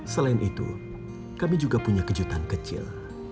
selain itu kami juga punya kejutan kecil